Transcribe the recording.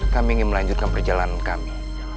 kami ingin melanjutkan perjalanan kami